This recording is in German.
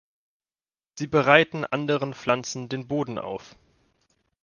Sie bereiten anderen Pflanzen den Boden auf.